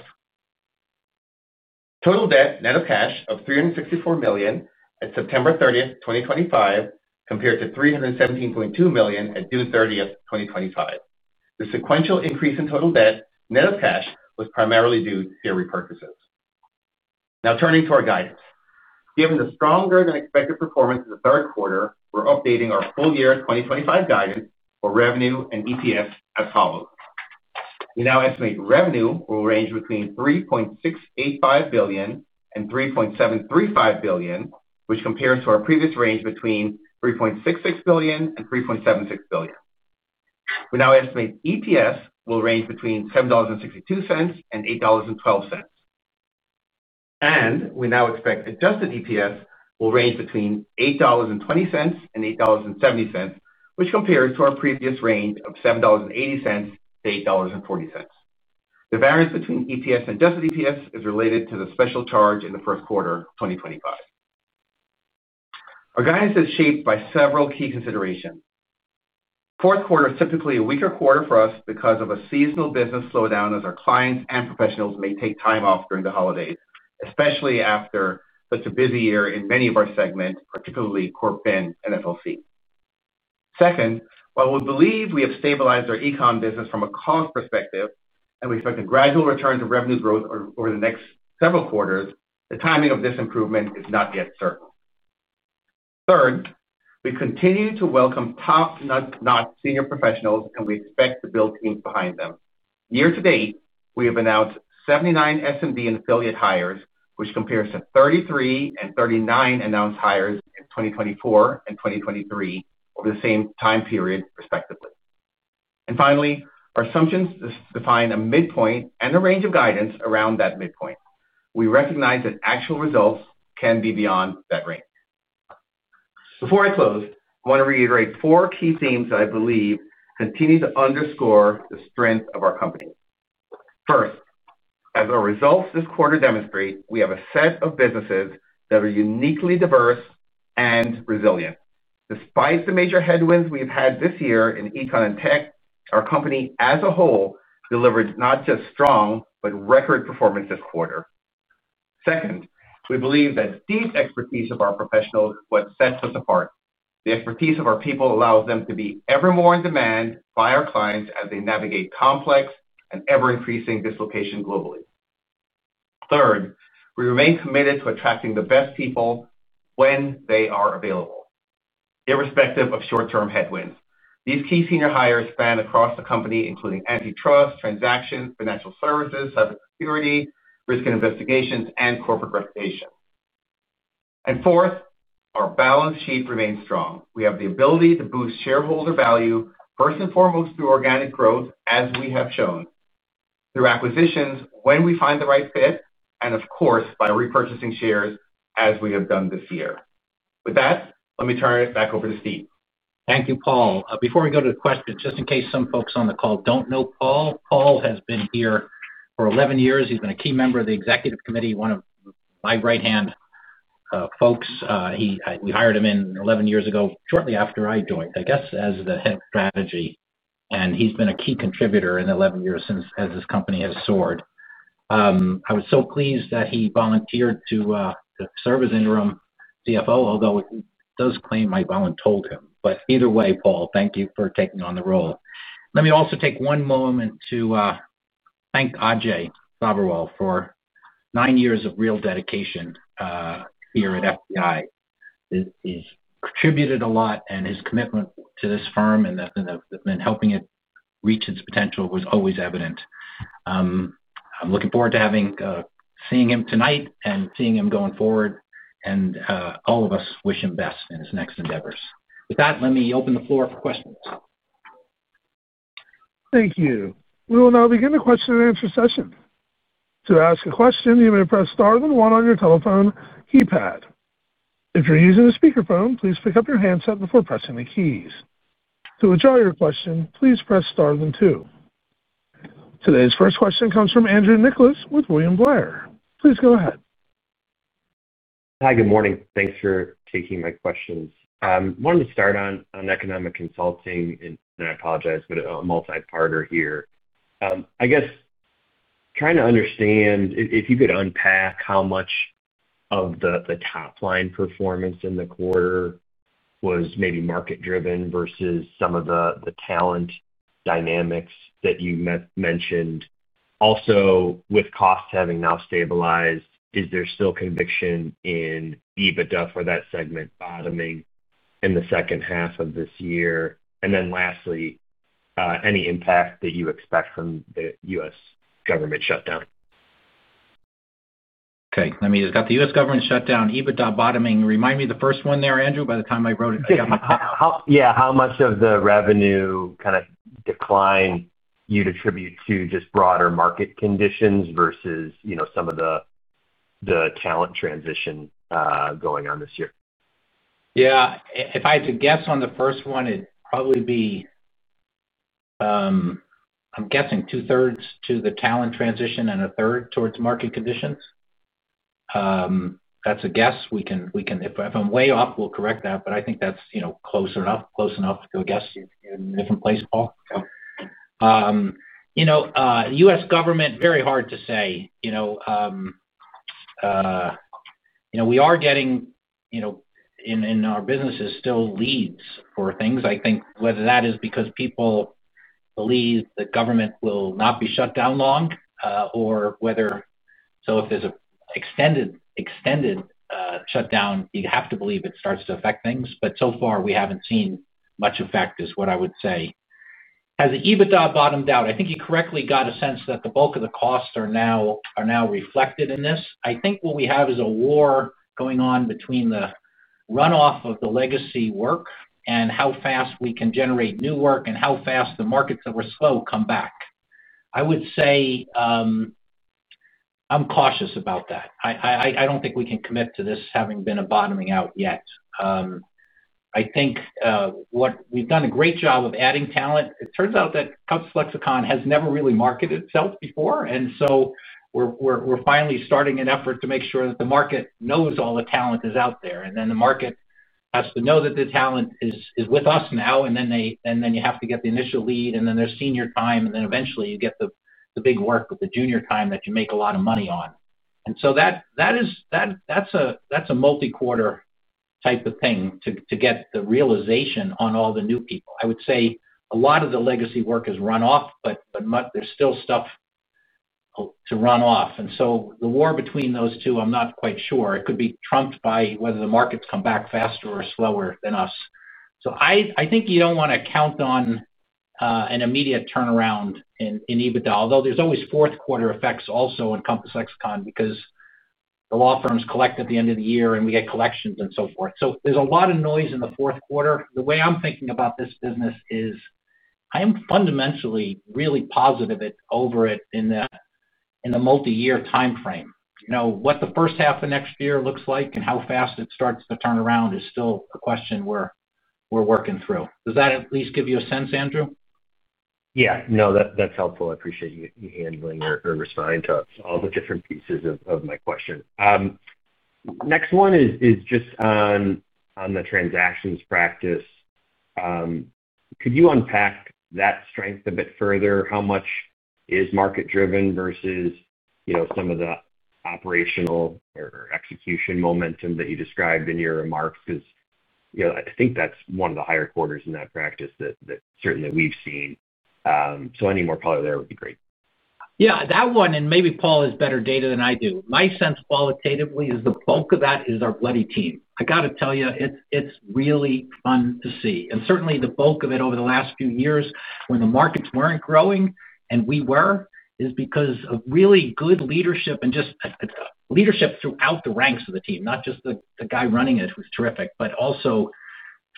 Total debt net of cash of $364 million at September 30, 2025, compared to $317.2 million at June 30th, 2025. The sequential increase in total debt net of cash was primarily due to share repurchases. Now turning to our guidance. Given the stronger-than-expected performance in the third quarter, we're updating our full-year 2025 guidance for revenue and EPS as follows. We now estimate revenue will range between $3.685 billion and $3.735 billion, which compares to our previous range between $3.66 billion and $3.76 billion. We now estimate EPS will range between $7.62 and $8.12. We now expect adjusted EPS will range between $8.20 and $8.70, which compares to our previous range of $7.80-$8.40. The variance between EPS and adjusted EPS is related to the special charge in the first quarter of 2025. Our guidance is shaped by several key considerations. Fourth quarter is typically a weaker quarter for us because of a seasonal business slowdown, as our clients and professionals may take time off during the holidays, especially after such a busy year in many of our segments, particularly Corp Fin and FLC. Second, while we believe we have stabilized our econ business from a cost perspective and we expect a gradual return to revenue growth over the next several quarters, the timing of this improvement is not yet certain. Third, we continue to welcome top-notch senior professionals, and we expect to build teams behind them. Year to date, we have announced 79 SMB and affiliate hires, which compares to 33 and 39 announced hires in 2024 and 2023 over the same time period, respectively. Our assumptions define a midpoint and a range of guidance around that midpoint. We recognize that actual results can be beyond that range. Before I close, I want to reiterate four key themes that I believe continue to underscore the strength of our company. First, as our results this quarter demonstrate, we have a set of businesses that are uniquely diverse and resilient. Despite the major headwinds we've had this year in econ and tech, our company as a whole delivered not just strong but record performance this quarter. Second, we believe that deep expertise of our professionals is what sets us apart. The expertise of our people allows them to be ever more in demand by our clients as they navigate complex and ever-increasing dislocation globally. Third, we remain committed to attracting the best people when they are available, irrespective of short-term headwinds. These key senior hires span across the company, including antitrust, transactions, financial services, cybersecurity, risk and investigations, and corporate reputation. Fourth, our balance sheet remains strong. We have the ability to boost shareholder value, first and foremost through organic growth, as we have shown, through acquisitions when we find the right fit, and of course, by repurchasing shares as we have done this year. With that, let me turn it back over to Steve. Thank you, Paul. Before we go to the questions, just in case some folks on the call don't know Paul, Paul has been here for 11 years. He's been a key member of the Executive Committee, one of my right-hand folks. We hired him in 11 years ago, shortly after I joined, I guess, as the Head of Strategy. He's been a key contributor in the 11 years since as this company has soared. I was so pleased that he volunteered to serve as Interim CFO, although he does claim I volunteered for him. Either way, Paul, thank you for taking on the role. Let me also take one moment to thank Ajay Sabherwal for nine years of real dedication here at FTI. He's contributed a lot, and his commitment to this firm and that's been helping it reach its potential was always evident. I'm looking forward to seeing him tonight and seeing him going forward. All of us wish him best in his next endeavors. With that, let me open the floor for questions. Thank you. We will now begin the question-and-answer session. To ask a question, you may press star then one on your telephone keypad. If you're using a speakerphone, please pick up your handset before pressing the keys. To withdraw your question, please press star then two. Today's first question comes from Andrew Nicholas with William Blair. Please go ahead. Hi, good morning. Thanks for taking my questions. I wanted to start on economic consulting, and I apologize, but a multi-partner here. I guess trying to understand if you could unpack how much of the top-line performance in the quarter was maybe market-driven versus some of the talent dynamics that you mentioned. Also, with costs having now stabilized, is there still conviction in EBITDA for that segment bottoming in the second half of this year? Lastly, any impact that you expect from the U.S. government shutdown? Okay. Let me just got the U.S. government shutdown, EBITDA bottoming. Remind me the first one there, Andrew. By the time I wrote it, I got my. How much of the revenue decline would you attribute to just broader market conditions versus some of the talent transition going on this year? If I had to guess on the first one, it'd probably be, I'm guessing, two-thirds to the talent transition and a third towards market conditions. That's a guess. If I'm way off, we'll correct that. I think that's close enough, close enough to a guess. You're in a different place, Paul. U.S. government, very hard to say. We are getting, in our businesses, still leads for things. I think whether that is because people believe the government will not be shut down long or whether if there's an extended shutdown, you have to believe it starts to affect things. So far, we haven't seen much effect, is what I would say. Has the EBITDA bottomed out? I think you correctly got a sense that the bulk of the costs are now reflected in this. What we have is a war going on between the runoff of the legacy work and how fast we can generate new work and how fast the markets that were slow come back. I would say I'm cautious about that. I don't think we can commit to this having been a bottoming out yet. I think we've done a great job of adding talent. It turns out that Compass Lexecon has never really marketed itself before. We're finally starting an effort to make sure that the market knows all the talent is out there. The market has to know that the talent is with us now. You have to get the initial lead, and then there's senior time, and eventually you get the big work with the junior time that you make a lot of money on. That's a multi-quarter type of thing to get the realization on all the new people. A lot of the legacy work has run off, but there's still stuff to run off. The war between those two, I'm not quite sure. It could be trumped by whether the markets come back faster or slower than us. I think you don't want to count on an immediate turnaround in EBITDA, although there's always fourth quarter effects also in Compass Lexecon because the law firms collect at the end of the year, and we get collections and so forth. There's a lot of noise in the fourth quarter. The way I'm thinking about this business is I am fundamentally really positive over it in the multi-year timeframe. What the first half of next year looks like and how fast it starts to turn around is still a question we're working through. Does that at least give you a sense, Andrew? Yeah, no, that's helpful. I appreciate you handling or responding to all the different pieces of my question. Next one is just on the transactions practice. Could you unpack that strength a bit further? How much is market-driven versus, you know, some of the operational or execution momentum that you described in your remarks? I think that's one of the higher quarters in that practice that certainly we've seen. Any more color there would be great. Yeah, that one, and maybe Paul has better data than I do. My sense qualitatively is the bulk of that is our bloody team. I got to tell you, it's really fun to see. Certainly, the bulk of it over the last few years when the markets weren't growing and we were is because of really good leadership and just leadership throughout the ranks of the team, not just the guy running it, who's terrific, but also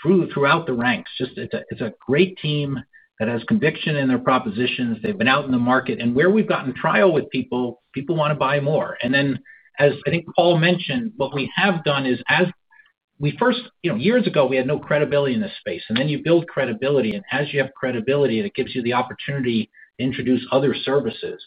throughout the ranks. It's a great team that has conviction in their propositions. They've been out in the market. Where we've gotten trial with people, people want to buy more. As I think Paul mentioned, what we have done is as we first, years ago, we had no credibility in this space. Then you build credibility. As you have credibility, it gives you the opportunity to introduce other services.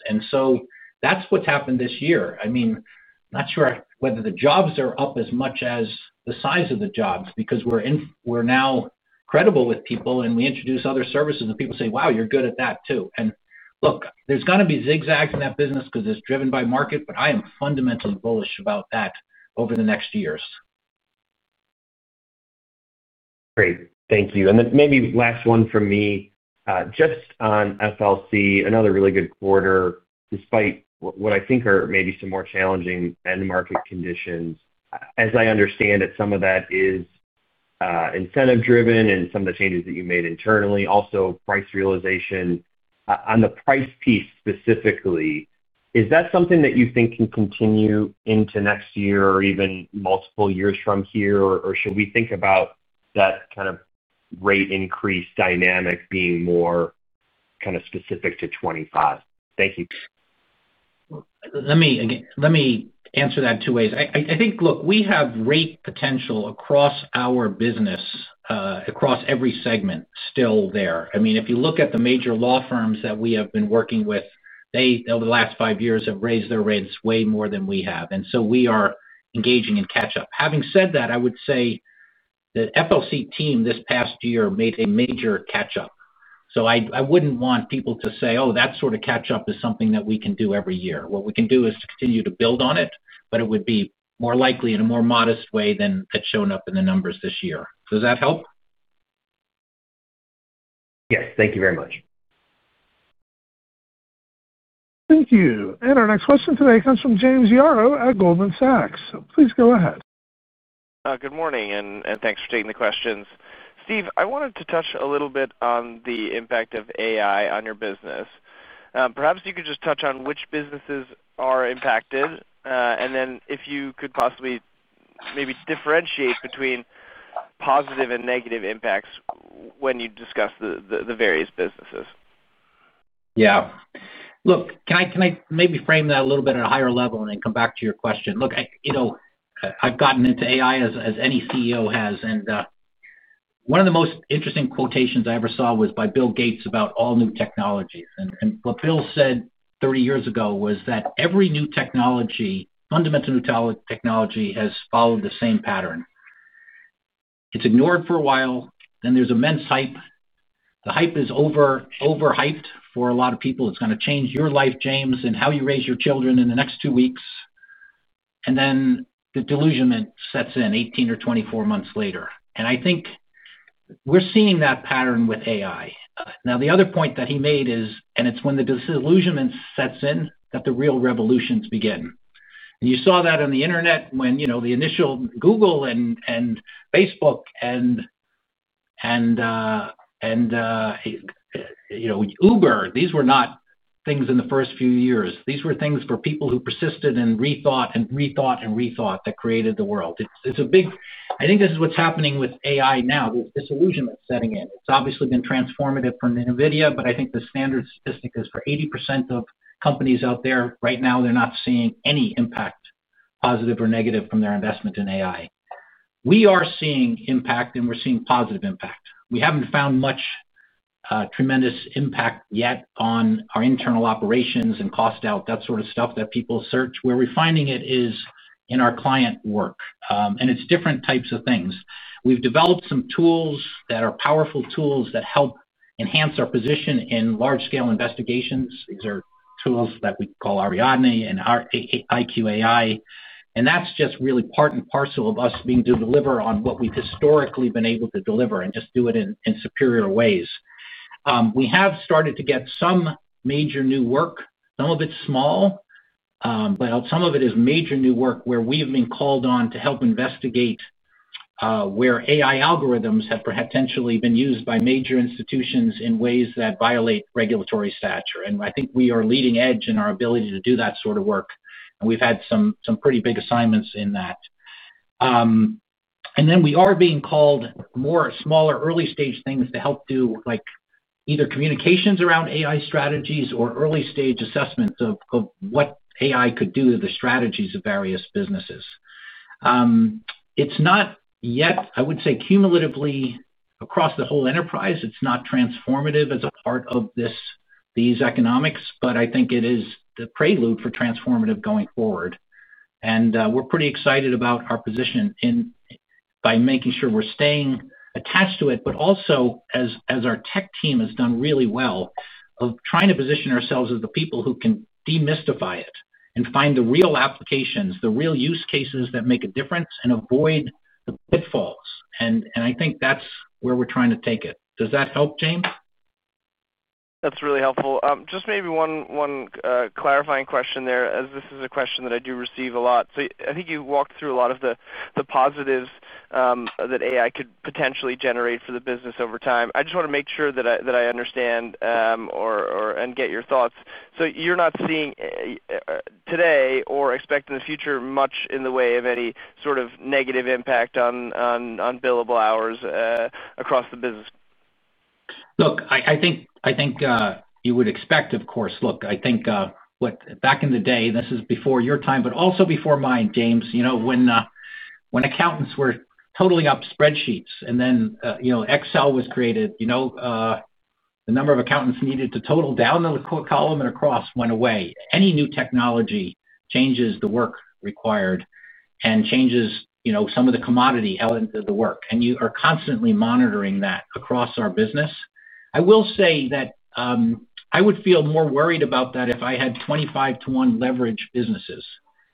That's what's happened this year. I'm not sure whether the jobs are up as much as the size of the jobs because we're now credible with people, and we introduce other services, and people say, "Wow, you're good at that too." Look, there's going to be zigzags in that business because it's driven by market, but I am fundamentally bullish about that over the next years. Great. Thank you. Maybe last one for me, just on FLC, another really good quarter, despite what I think are maybe some more challenging end market conditions. As I understand it, some of that is incentive-driven and some of the changes that you made internally, also price realization. On the price piece specifically, is that something that you think can continue into next year or even multiple years from here, or should we think about that kind of rate increase dynamic being more kind of specific to 2025? Thank you. Let me answer that two ways. I think, look, we have rate potential across our business, across every segment still there. If you look at the major law firms that we have been working with, they, over the last five years, have raised their rates way more than we have. We are engaging in catch-up. Having said that, I would say the FLC team this past year made a major catch-up. I wouldn't want people to say, "Oh, that sort of catch-up is something that we can do every year." What we can do is continue to build on it, but it would be more likely in a more modest way than it's shown up in the numbers this year. Does that help? Yes, thank you very much. Thank you. Our next question today comes from James Yaro at Goldman Sachs. Please go ahead. Good morning, and thanks for taking the questions. Steve, I wanted to touch a little bit on the impact of AI on your business. Perhaps you could just touch on which businesses are impacted, and then if you could possibly maybe differentiate between positive and negative impacts when you discuss the various businesses. Yeah. Look, can I maybe frame that a little bit at a higher level and then come back to your question? Look, I, you know, I've gotten into AI as any CEO has. One of the most interesting quotations I ever saw was by Bill Gates about all new technologies. What Bill said 30 years ago was that every new technology, fundamental new technology, has followed the same pattern. It's ignored for a while. Then there's immense hype. The hype is overhyped for a lot of people. It's going to change your life, James, and how you raise your children in the next two weeks. Then the delusion sets in 18 or 24 months later. I think we're seeing that pattern with AI. Now, the other point that he made is, and it's when the delusion sets in that the real revolutions begin. You saw that on the internet when the initial Google and Facebook and Uber, these were not things in the first few years. These were things for people who persisted and rethought and rethought and rethought that created the world. I think this is what's happening with AI now. This is a delusion that's setting in. It's obviously been transformative from NVIDIA, but I think the standard statistic is for 80% of companies out there right now, they're not seeing any impact, positive or negative, from their investment in AI. We are seeing impact, and we're seeing positive impact. We haven't found much tremendous impact yet on our internal operations and cost out, that sort of stuff that people search. Where we're finding it is in our client work. It's different types of things. We've developed some tools that are powerful tools that help enhance our position in large-scale investigations. These are tools that we call Ariadne and IQAI. That's just really part and parcel of us being able to deliver on what we've historically been able to deliver and just do it in superior ways. We have started to get some major new work. Some of it's small, but some of it is major new work where we have been called on to help investigate where AI algorithms have potentially been used by major institutions in ways that violate regulatory stature. I think we are leading edge in our ability to do that sort of work. We've had some pretty big assignments in that. We are being called more smaller, early-stage things to help do like either communications around AI strategies or early-stage assessments of what AI could do to the strategies of various businesses. It's not yet, I would say, cumulatively across the whole enterprise, it's not transformative as a part of these economics. I think it is the prelude for transformative going forward. We're pretty excited about our position in by making sure we're staying attached to it, but also as our tech team has done really well of trying to position ourselves as the people who can demystify it and find the real applications, the real use cases that make a difference and avoid the pitfalls. I think that's where we're trying to take it. Does that help, James? That's really helpful. Maybe one clarifying question there, as this is a question that I do receive a lot. I think you walked through a lot of the positives that AI could potentially generate for the business over time. I just want to make sure that I understand and get your thoughts. You're not seeing today or expect in the future much in the way of any sort of negative impact on billable hours across the business? I think you would expect, of course. I think back in the day, and this is before your time, but also before mine, James, you know when accountants were totally up spreadsheets and then you know Excel was created, you know the number of accountants needed to total down the column and across went away. Any new technology changes the work required and changes some of the commodity held into the work. You are constantly monitoring that across our business. I will say that I would feel more worried about that if I had 25 to 1 leverage businesses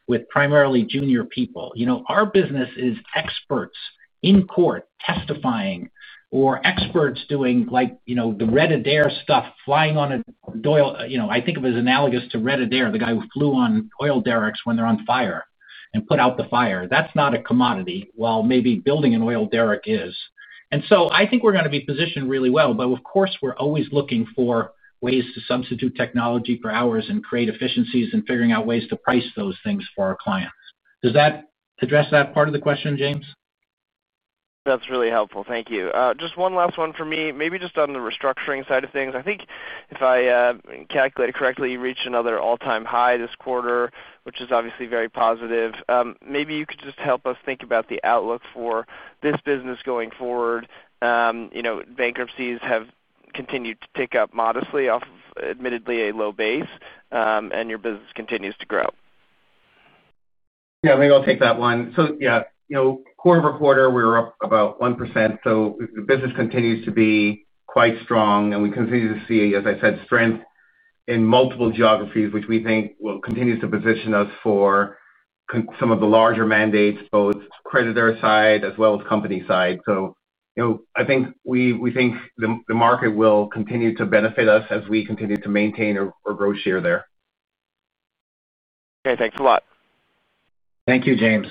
with primarily junior people. Our business is experts in court testifying or experts doing like, you know the Red Adair stuff, flying on a doil. I think of it as analogous to Red Adair, the guy who flew on oil derricks when they're on fire and put out the fire. That's not a commodity, while maybe building an oil derrick is. I think we're going to be positioned really well. Of course, we're always looking for ways to substitute technology for hours and create efficiencies and figuring out ways to price those things for our clients. Does that address that part of the question, James? That's really helpful. Thank you. Just one last one for me, maybe just on the restructuring side of things. I think if I calculated correctly, you reached another all-time high this quarter, which is obviously very positive. Maybe you could just help us think about the outlook for this business going forward. You know bankruptcies have continued to tick up modestly off of admittedly a low base, and your business continues to grow. I think I'll take that one. Quarter over quarter, we're up about 1%. The business continues to be quite strong, and we continue to see, as I said, strength in multiple geographies, which we think will continue to position us for some of the larger mandates, both creditor side as well as company side. I think we think the market will continue to benefit us as we continue to maintain or grow share there. Okay, thanks a lot. Thank you, James.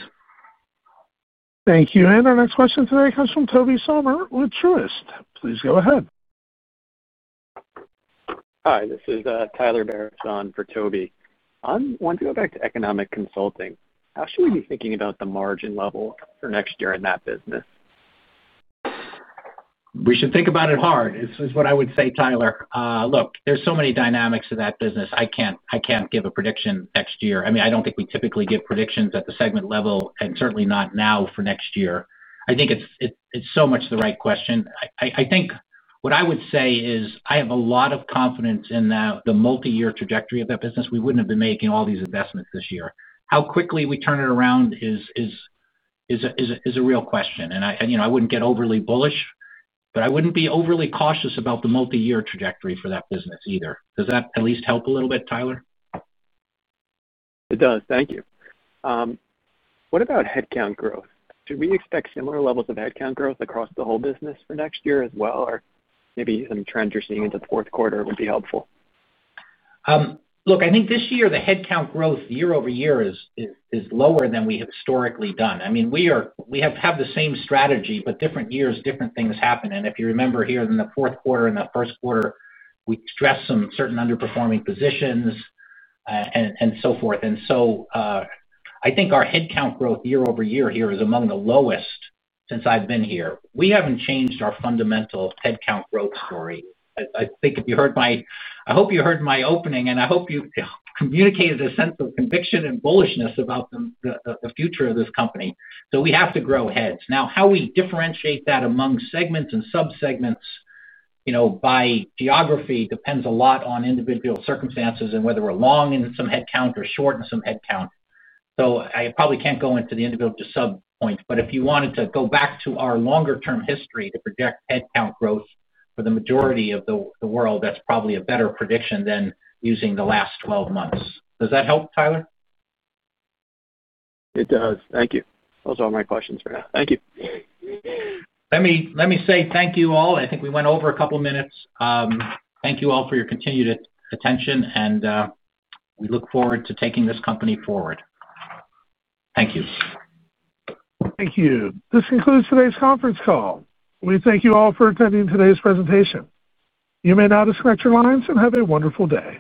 Thank you. Our next question today comes from Tobey Sommer with Truist. Please go ahead. Hi, this is Tyler Barishaw for Tobey. I want to go back to economic consulting. How should we be thinking about the margin level for next year in that business? We should think about it hard. This is what I would say, Tyler. Look, there are so many dynamics in that business. I can't give a prediction next year. I mean, I don't think we typically give predictions at the segment level and certainly not now for next year. I think it's so much the right question. I think what I would say is I have a lot of confidence in the multi-year trajectory of that business. We wouldn't have been making all these investments this year. How quickly we turn it around is a real question. I wouldn't get overly bullish, but I wouldn't be overly cautious about the multi-year trajectory for that business either. Does that at least help a little bit, Tyler? It does. Thank you. What about headcount growth? Should we expect similar levels of headcount growth across the whole business for next year as well, or maybe some trends you're seeing into the fourth quarter would be helpful? Look, I think this year the headcount growth year over year is lower than we have historically done. I mean, we have the same strategy, but different years, different things happen. If you remember here in the fourth quarter and the first quarter, we stressed some certain underperforming positions and so forth. I think our headcount growth year over year here is among the lowest since I've been here. We haven't changed our fundamental headcount growth story. I think if you heard my, I hope you heard my opening, and I hope you communicated a sense of conviction and bullishness about the future of this company. We have to grow heads. How we differentiate that among segments and sub-segments, you know, by geography depends a lot on individual circumstances and whether we're long in some headcount or short in some headcount. I probably can't go into the individual sub-point. If you wanted to go back to our longer-term history to project headcount growth for the majority of the world, that's probably a better prediction than using the last 12 months. Does that help, Tyler? It does. Thank you. Those are all my questions for now. Thank you. Let me say thank you all. I think we went over a couple of minutes. Thank you all for your continued attention, and we look forward to taking this company forward. Thank you. Thank you. This concludes today's conference call. We thank you all for attending today's presentation. You may now disconnect your lines and have a wonderful day.